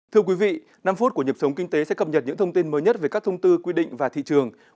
thưa quý vị năm phút của nhập sống kinh tế sẽ cập nhật những thông tin mới nhất về các thông tư quy định và thị trường